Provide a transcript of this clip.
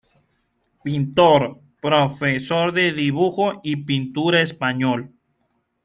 Pintor, profesor de dibujo y pintura español.